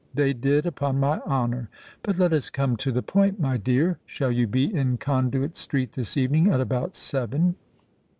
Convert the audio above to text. They did, upon my honour! But let us come to the point, my dear. Shall you be in Conduit Street this evening at about seven?"